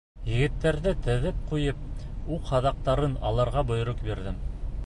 Егеттәрҙе теҙеп ҡуйып, уҡ-һаҙаҡтарын алырға бойороҡ бирҙем.